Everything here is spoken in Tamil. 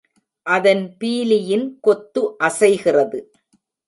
அதன் பீலியின் கொத்து அசைகிறது.